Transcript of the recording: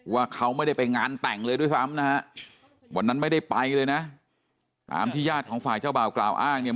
ว่าเขาไม่ได้ไปงานแต่งเลยด้วยซ้ำนะฮะวันนั้นไม่ได้ไปเลยนะตามที่ญาติของฝ่ายเจ้าบ่าวกล่าวอ้างเนี่ย